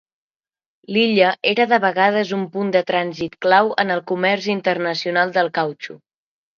L'illa era de vegades un punt de trànsit clau en el comerç internacional del cautxú.